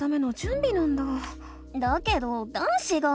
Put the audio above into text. だけど男子が。